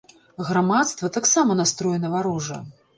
Грамадства таксама настроена варожа.